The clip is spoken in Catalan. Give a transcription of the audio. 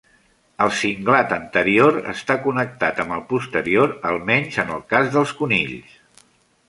El cinglat anterior està connectat amb el posterior, almenys en el cas dels conills.